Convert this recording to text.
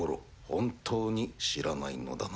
本当に知らないのだな？